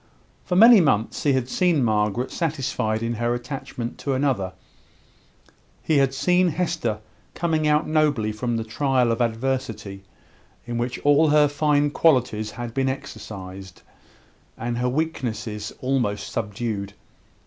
For many months he had seen Margaret satisfied in her attachment to another; he had seen Hester coming out nobly from the trial of adversity, in which all her fine qualities had been exercised, and her weaknesses almost subdued.